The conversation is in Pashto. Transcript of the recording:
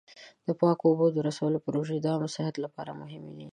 د پاکو اوبو د رسولو پروژې د عامه صحت لپاره مهمې دي.